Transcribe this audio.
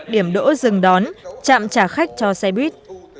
điểm đỗ rừng đón chạm trả khách cho xe buýt